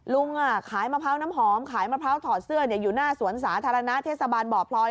ลุงขายมะพร้าวน้ำหอมขายมะพร้าวถอดเสื้ออยู่หน้าสวนสาธารณะเทศบาลบ่อพลอย